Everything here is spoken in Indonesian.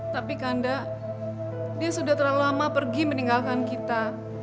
tapi kanda dia sudah terlalu lama pergi meninggalkan kita